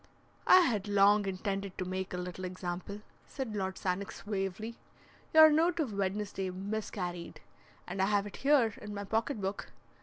"I had long intended to make a little example," said Lord Sannox, suavely. "Your note of Wednesday miscarried, and I have it here in my pocket book.